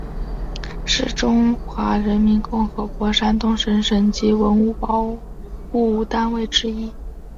是中华人民共和国山东省省级文物保护单位之一。